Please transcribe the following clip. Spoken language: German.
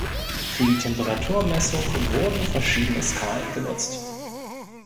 Für die Temperaturmessung wurden verschiedene Skalen genutzt.